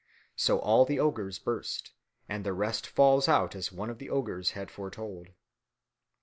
So all the ogres burst and the rest falls out as one of the ogres had foretold.